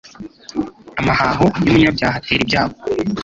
amahaho y'umunyabyaha atera ibyago